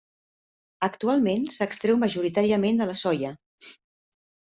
Actualment s'extreu majoritàriament de la soia.